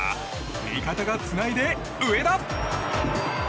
味方がつないで、上田！